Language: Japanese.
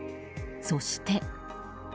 そして。